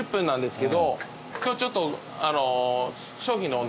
今日ちょっとあの。